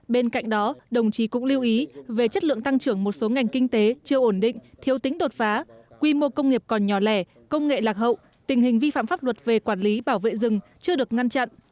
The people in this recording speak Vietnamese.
bên cạnh đó đồng chí cũng lưu ý về chất lượng tăng trưởng một số ngành kinh tế chưa ổn định thiếu tính đột phá quy mô công nghiệp còn nhỏ lẻ công nghệ lạc hậu tình hình vi phạm pháp luật về quản lý bảo vệ rừng chưa được ngăn chặn